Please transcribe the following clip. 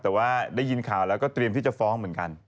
แต่ว่าได้ยินข่าวแล้วก็เตรียมที่จะฟ้องเหมือนกัน